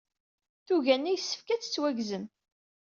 Tuga-nni yessefk ad tettwagzem.